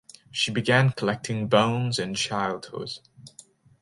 She began collecting bones in childhood.